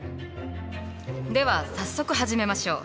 では早速始めましょう。